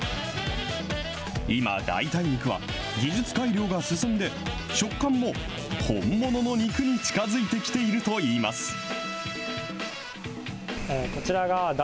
今、代替肉は、技術改良が進んで、食感も、本物の肉に近づいてきているといいます。